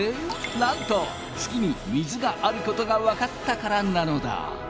なんと月に水があることが分かったからなのだ。